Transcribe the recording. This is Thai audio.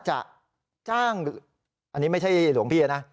อันนี้ไม่ใช่หลวงพี่นะ